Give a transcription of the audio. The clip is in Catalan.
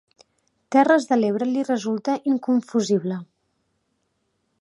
Terres de l'Ebre li resulta inconfusible.